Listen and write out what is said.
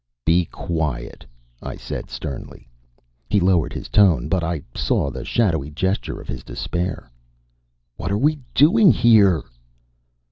"Be quiet," I said, sternly. He lowered his tone, but I saw the shadowy gesture of his despair. "What are we doing here?"